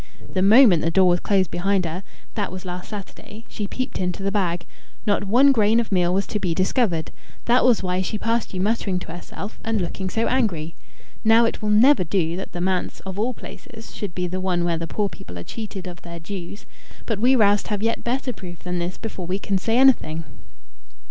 The moment the door was closed behind her that was last Saturday she peeped into the bag. Not one grain of meal was to be discovered. That was why she passed you muttering to herself and looking so angry. Now it will never do that the manse, of all places, should be the one where the poor people are cheated of their dues. But we roust have yet better proof than this before we can say anything."